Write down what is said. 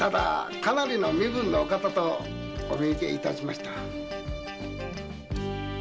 かなりの身分のお方とお見受け致しました。